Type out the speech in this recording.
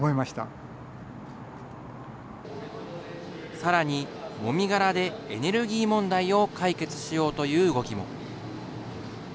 さらに、もみ殻でエネルギー問題を解決しようという動きも。